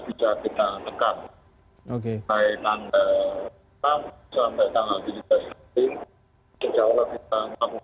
sejauh kita melakukan secara terus terus